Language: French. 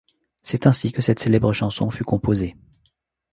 C'est ainsi que cette célèbre chanson fut composée.